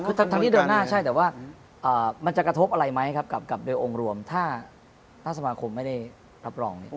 คือทั้งที่เดินหน้าใช่แต่ว่ามันจะกระทบอะไรไหมครับกับโดยองค์รวมถ้าสมาคมไม่ได้รับรองเนี่ย